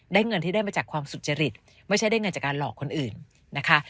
เงินที่ได้มาจากความสุจริตไม่ใช่ได้เงินจากการหลอกคนอื่นนะคะ